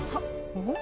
おっ！